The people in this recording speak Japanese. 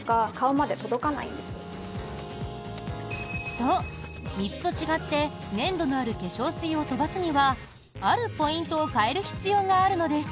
そう、水と違って粘度のある化粧水を飛ばすにはあるポイントを変える必要があるのです。